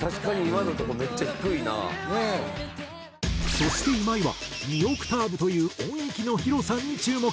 そして今井は２オクターブという音域の広さに注目。